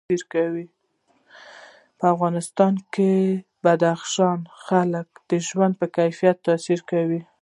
په افغانستان کې بدخشان د خلکو د ژوند په کیفیت تاثیر کوي.